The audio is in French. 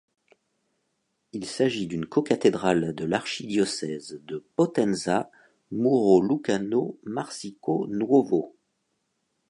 Il s'agit d'une cocathédrale de l'archidiocèse de Potenza-Muro Lucano-Marsico Nuovo.